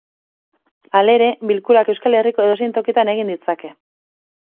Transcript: Halere, bilkurak Euskal Herriko edozein tokitan egin ditzake.